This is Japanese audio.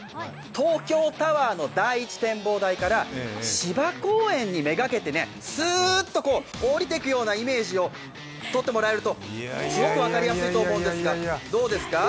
東京タワーの第１展望台から芝公園を目がけてすーっと下りていくイメージだとすごく分かりやすいと思うんですが、どうですか？